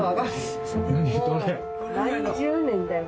もう何十年だよ。